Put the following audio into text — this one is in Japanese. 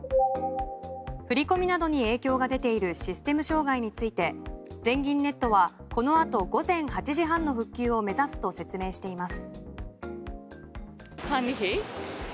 振り込みなどに影響が出ているシステム障害について全銀ネットは、このあと午前８時半の復旧を目指すと説明しています。